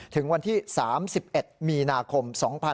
ถึงวันที่๓๑มีนาคม๒๕๖๒